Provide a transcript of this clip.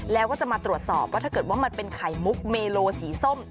แล้วก็จะมาตรวจสอบว่าถ้าเกิดว่ามันเป็นไข่มุกเมโลสีส้ม